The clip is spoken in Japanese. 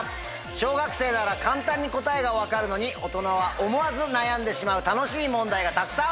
小学生なら簡単に答えが分かるのに大人は思わず悩んでしまう楽しい問題がたくさん。